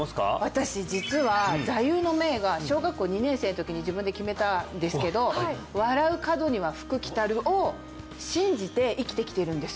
私実は座右の銘が小学校２年生の時に自分で決めたんですけどを信じて生きてきているんですよ